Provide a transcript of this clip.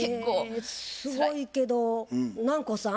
へえすごいけど南光さん。